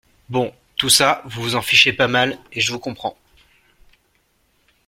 Bon, tout ça, vous vous en fichez pas mal et je vous comprends.